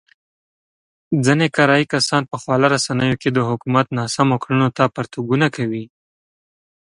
ځنې کرايي کسان په خواله رسينو کې د حکومت ناسمو کړنو ته پرتوګونه کوي.